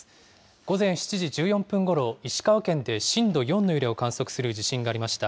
午前７時１４分ごろ、石川県で震度４の揺れを観測する地震がありました。